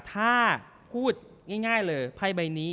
ถ้าพูดง่ายเลยไพ่ใบนี้